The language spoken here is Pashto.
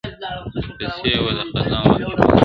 ور پسې وه د خزان وحشي بادونه٫